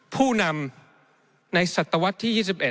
ผู้นำในศตวรรษที่๒๑